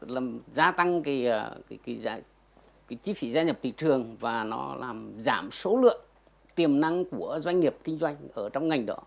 làm gia tăng cái chi phí gia nhập thị trường và nó làm giảm số lượng tiềm năng của doanh nghiệp kinh doanh ở trong ngành đó